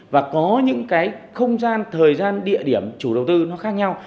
và có những cái không gian thời gian địa điểm chủ đầu tư nó khác nhau